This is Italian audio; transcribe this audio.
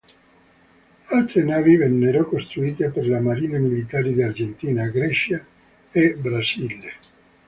Altre navi vennero costruite per le marine militari di Argentina, Grecia e Brasile.